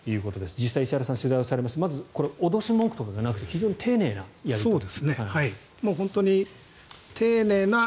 実際、石原さん取材をされましてまず、脅す文句とかがなくて非常に丁寧なやり取りと。